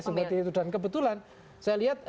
seperti itu dan kebetulan saya lihat